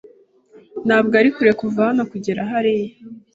Ntabwo ari kure kuva hano kugera hariya.